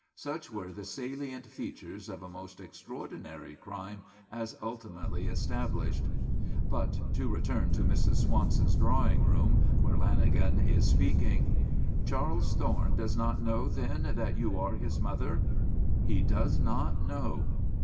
Such were the salient features of a most extraordinary crime as ultimately established. But to return to Mrs. Swanson's drawing room, where Lanagan is speaking: "Charles Thorne does not know, then, that you are his mother?" "He does not know."